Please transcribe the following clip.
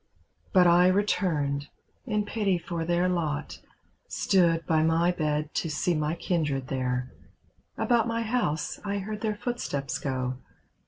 But I returned, in pity for their lot. Stood by my bed to see my kindred there; About my house I heard their footsteps go.